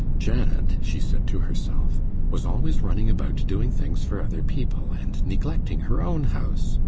'Janet,' she said to herself, 'was always running about doing things for other people, and neglecting her own house.